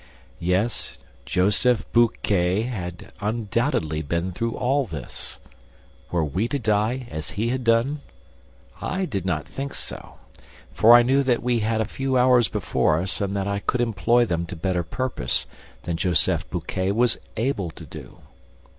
Yes, Joseph Buquet had undoubtedly been through all this! Were we to die as he had done? I did not think so, for I knew that we had a few hours before us and that I could employ them to better purpose than Joseph Buquet was able to do.